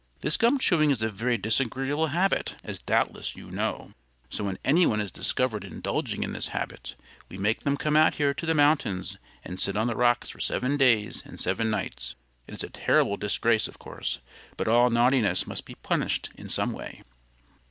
This gum chewing is a very disagreeable habit, as doubtless you know; so when anyone is discovered indulging in this habit, we make them come out here to the mountains and sit on the rocks for seven days and seven nights. It is a terrible disgrace, of course; but all naughtiness must be punished in some way."